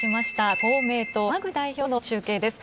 公明党の山口代表との中継です。